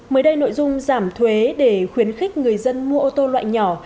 mới đây nội dung giảm thuế để khuyến khích người dân mua ô tô loại nhỏ